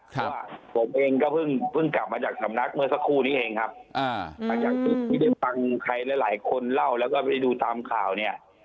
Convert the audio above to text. เพราะว่าผมเองก็เพิ่งกลับมาจากสำนักเมื่อสักครู่นี้เองครับหลังจากที่ได้ฟังใครหลายหลายคนเล่าแล้วก็ได้ดูตามข่าวเนี่ย